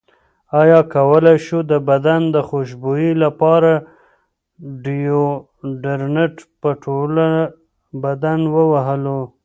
ایا کولی شو د بدن خوشبویۍ لپاره ډیوډرنټ په ټول بدن ووهلو؟